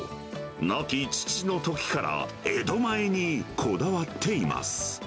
亡き父のときから、江戸前にこだわっています。